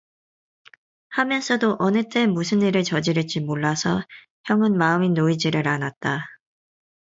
하면서도 어느 때 무슨 일을 저지를지 몰라서 형은 마음이 놓이지를 않았다.